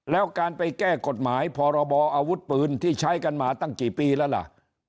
แล้วการไปแก้กฎหมายพรบออาวุธปืนที่ใช้กันมาตั้งกี่ปีแล้วล่ะ